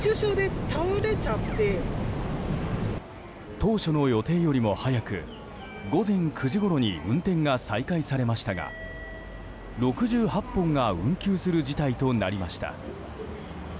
当初の予定よりも早く午前９時ごろに運転が再開されましたが６８本が運休する事態となりました。